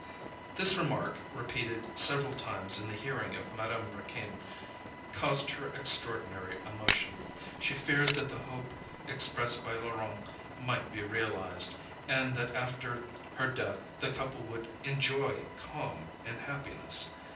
This remark repeated several times in the hearing of Madame Raquin, caused her extraordinary emotion. She feared that the hope expressed by Laurent might be realised, and that after her death the couple would enjoy calm and happiness.